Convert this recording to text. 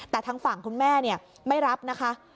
แต่ทางฝั่งคุณแม่ไม่รับนะคะ